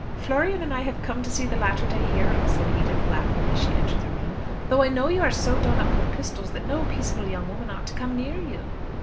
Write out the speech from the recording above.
"Florian and I have come to see the latter day hero," said Edith laughing as she entered the room; "though I know that you are so done up with pistols that no peaceable young woman ought to come near you."